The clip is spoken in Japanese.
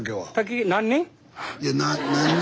いや何人？